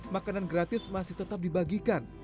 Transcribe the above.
makanan gratis masih tetap dibagikan